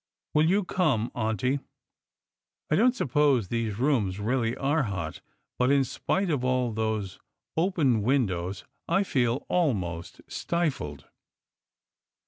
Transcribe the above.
Will you come, auntie ? I don't suppose these rooms really are hot; but in spite of aU those open wi;i dows, I feel almost stifled."